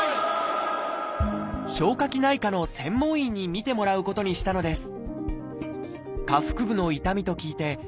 消化器内科の専門医に診てもらうことにしたのです。